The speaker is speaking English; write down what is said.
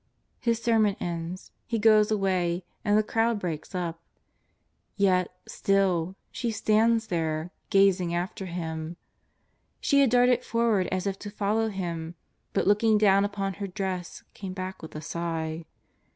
His sermon ended. He goes away, and the crowd breaks up. Yet, still, she stands there, gazing after Him. She had darted forward as if to follow Him, but looking do^vn upon her dress came back with a sigh.